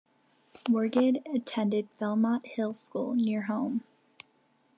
Morgan attended Belmont Hill School near home.